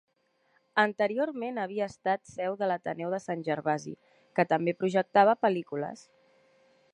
Anteriorment havia estat seu de l'Ateneu de Sant Gervasi, que també projectava pel·lícules.